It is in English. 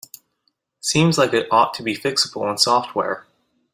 Seems like it ought to be fixable in software.